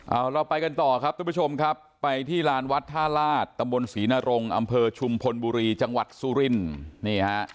เอาเราไปกันต่อครับทุกผู้ชมครับไปที่ลานวัดท่าลาศตำบลศรีนรงอำเภอชุมพลบุรีจังหวัดสุรินนี่ฮะ